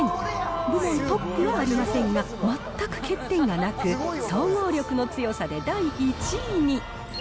部門トップはありませんが、全く欠点がなく、総合力の強さで第１位に。